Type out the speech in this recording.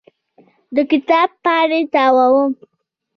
د کتاب پاڼې تاووم.